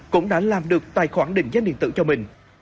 cũng đã làm được tài khoản định giá điện tử cho mình